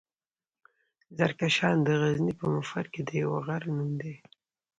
زرکشان دغزني پهمفر کې د يوۀ غرۀ نوم دی.